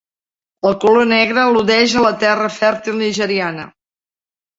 El color negre al·ludeix a la terra fèrtil nigeriana.